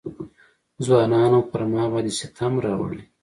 ځوانانو پر ما باندې ستم راوړی.